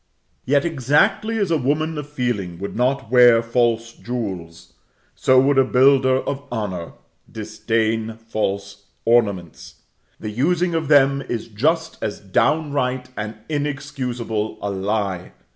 Yet exactly as a woman of feeling would not wear false jewels, so would a builder of honor disdain false ornaments. The using of them is just as downright and inexcusable a lie.